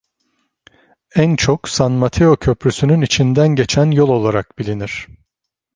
En çok San Mateo Köprüsünün içinden geçen yol olarak bilinir.